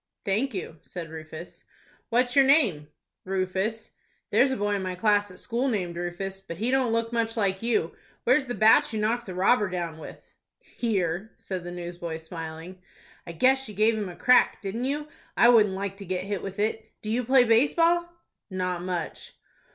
"Thank you," said Rufus. "What's your name?" "Rufus." "There's a boy in my class at school named Rufus, but he don't look much like you. Where's the bat you knocked the robber down with?" "Here," said the newsboy, smiling. "I guess you gave him a crack, didn't you? I wouldn't like to get hit with it. Do you play base ball?" "Not much."